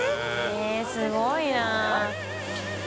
えぇすごいな。